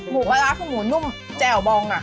หมูปลาร้าคือหมูนุ่มแจ่วบอง